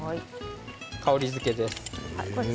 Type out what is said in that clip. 香りづけです。